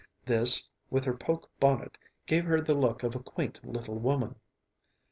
This, with her poke bonnet, gave her the look of a quaint little woman.